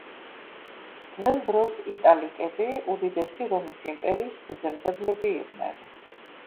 ძველ დროს იტალიკები უდიდესი რომის იმპერიის ფუძემდებლები იყვნენ.